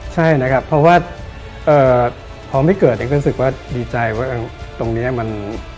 ใช่นะครับเพราะว่าพอไม่เกิดเองก็รู้สึกว่าดีใจว่าตรงนี้มัน